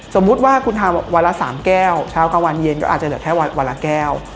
สมมุติว่าคุณทำวันละ๓แก้วเช้ากลางวันเย็นก็อาจจะเหลือแค่วันละแก้ว